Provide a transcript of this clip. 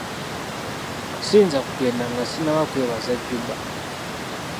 Siyinza kugenda nga sinaba kwebaza Jjuba.